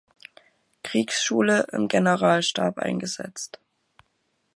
Kriegsschule im Generalstab eingesetzt.